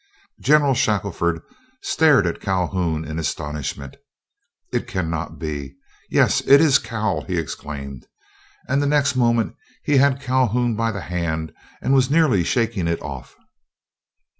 General Shackelford stared at Calhoun in astonishment. "It cannot be, yes, it is Cal!" he exclaimed, and the next moment he had Calhoun by the hand, and was nearly shaking it off.